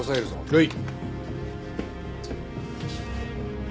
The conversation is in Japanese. はい。